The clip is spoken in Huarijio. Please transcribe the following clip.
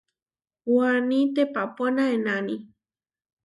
Waní teʼpapóna enáni.